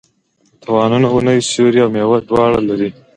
د توتانو ونې سیوری او میوه دواړه لري.